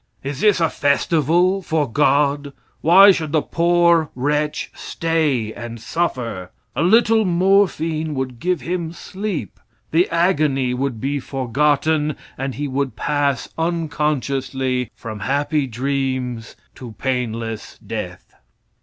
Is this a festival for "God"? Why should the poor wretch stay and suffer? A little morphine would give him sleep the agony would be forgotten and he would pass unconsciously from happy dreams to painless death.